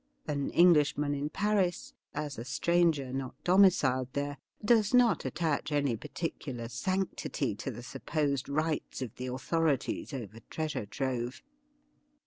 An Englishman in Paris, as a stranger not domiciled there, does not attach any particular sanctity to the supposed rights of the authorities over treasure trove.